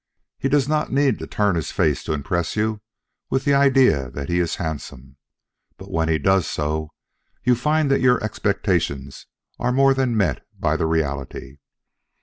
He does not need to turn his face to impress you with the idea that he is handsome; but when he does so, you find that your expectations are more than met by the reality.